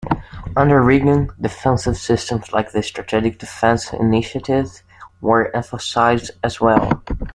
Under Reagan, defensive systems like the Strategic Defense Initiative were emphasized as well.